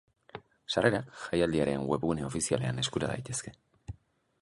Sarrerak jaialdiaren webgune ofizialean eskura daitezke.